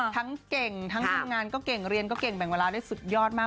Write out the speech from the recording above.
ทั้งเก่งทั้งทำงานก็เก่งเรียนก็เก่งแบ่งเวลาได้สุดยอดมาก